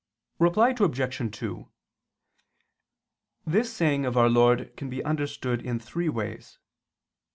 Reply Obj. 2: This saying of our Lord can be understood in three ways.